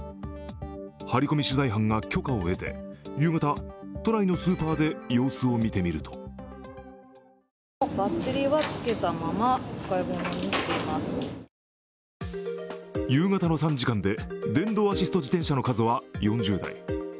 ハリコミ取材班が許可を得て夕方、都内のスーパーで様子を見てみると夕方の３時間で電動アシスト自転車の数は４０台。